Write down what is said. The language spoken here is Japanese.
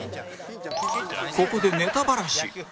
ここでネタバラシ